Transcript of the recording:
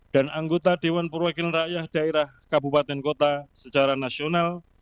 dan anggota dewan perwakilan rakyat daerah kabupaten kota secara nasional